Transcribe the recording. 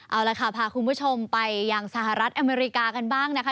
เอาละค่ะพาคุณผู้ชมไปยังสหรัฐอเมริกากันบ้างนะคะ